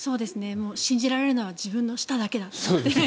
信じられるのは自分の舌だけだと。